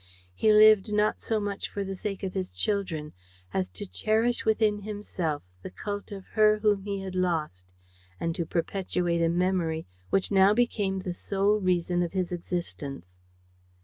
He lived not so much for the sake of his children as to cherish within himself the cult of her whom he had lost and to perpetuate a memory which now became the sole reason of his existence.